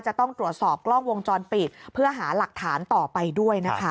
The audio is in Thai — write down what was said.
จะต้องตรวจสอบกล้องวงจรปิดเพื่อหาหลักฐานต่อไปด้วยนะคะ